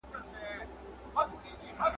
• بد مه راسره کوه، ښه دي نه غواړم.